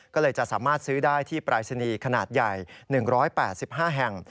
ก็เลยจะสามารถซื้อได้ที่ปรายศนีย์ขนาดใหญ่๑๘๕แห่ง